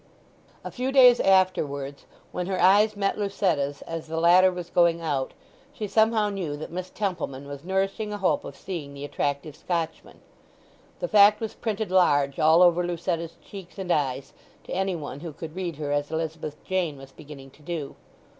A few days afterwards, when her eyes met Lucetta's as the latter was going out, she somehow knew that Miss Templeman was nourishing a hope of seeing the attractive Scotchman. The fact was printed large all over Lucetta's cheeks and eyes to any one who could read her as Elizabeth Jane was beginning to do.